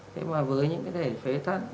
thế mà với những cái thể phế thận